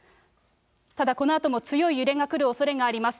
ただ、このあとも強い揺れが来るおそれがあります。